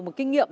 một kinh nghiệm